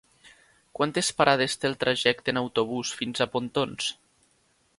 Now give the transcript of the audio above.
Quantes parades té el trajecte en autobús fins a Pontons?